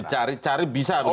dicarik carik bisa begitu